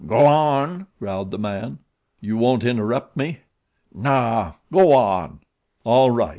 "Go on," growled the man. "You won't interrupt me?" "Naw, go on." "All right!